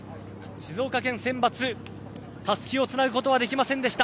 静岡県学生選抜、たすきをつなぐことはできませんでした。